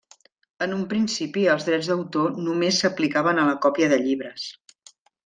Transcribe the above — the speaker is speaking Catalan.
En un principi els drets d'autor només s'aplicaven a la còpia de llibres.